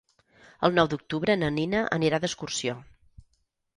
El nou d'octubre na Nina anirà d'excursió.